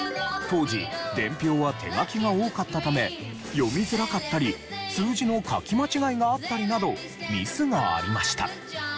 当時伝票は読みづらかったり数字の書き間違いがあったりなどミスがありました。